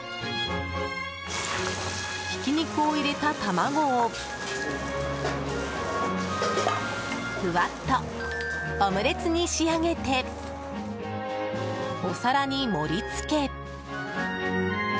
ひき肉を入れた卵をふわっとオムレツに仕上げてお皿に盛り付け。